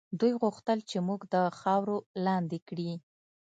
دوی غوښتل چې موږ د خاورو لاندې کړي.